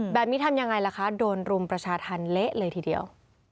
ทำยังไงล่ะคะโดนรุมประชาธรรมเละเลยทีเดียว